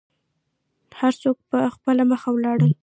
هر څوک په خپله مخه ولاړل.